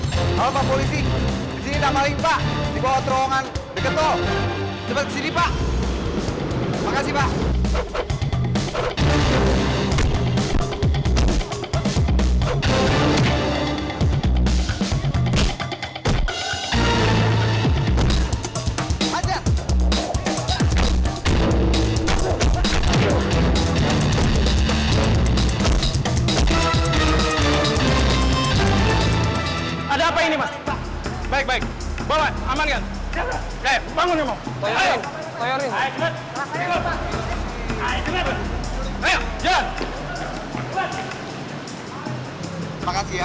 sampai jumpa di video selanjutnya